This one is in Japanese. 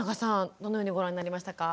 どのようにご覧になりましたか？